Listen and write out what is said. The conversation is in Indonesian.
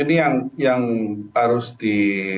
ini yang harus di